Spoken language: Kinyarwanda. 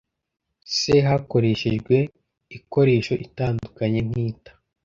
se hakoreshejwe iikoresho itandukanye nk’iita